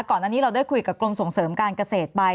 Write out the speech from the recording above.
ก่อนอันนี้เราได้คุยกับกรมส่งเสริมการเกษตรไป